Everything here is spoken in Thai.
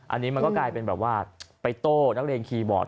อันนี้มันก็กลายเป็นแบบว่าไปโต้นักเรียนคีย์บอร์ด